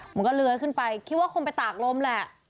มันก็เลื้อยขึ้นไปคิดว่าคงไปตากลมแหละ